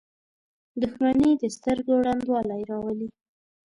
• دښمني د سترګو ړندوالی راولي.